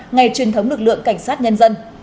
ngày truyền thống lực lượng cảnh sát nhân dân